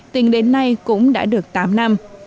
tình đến nay cũng đã được tám năm